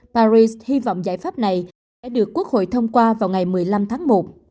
paris hy vọng giải pháp này sẽ được quốc hội thông qua vào ngày một mươi năm tháng một